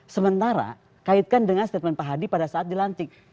sementara kaitkan dengan statement pak hadi pada saat dilantik